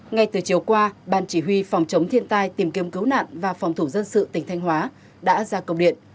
ngay từ chiều qua ban chỉ huy phòng chống thiên tai tìm kiếm cứu nạn và phòng thủ dân sự tỉnh thanh hóa đã ra công điện